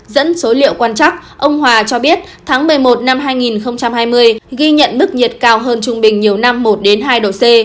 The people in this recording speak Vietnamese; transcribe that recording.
dẫn số liệu quan trắc ông hòa cho biết tháng một mươi một năm hai nghìn hai mươi ghi nhận mức nhiệt cao hơn trung bình nhiều năm một hai độ c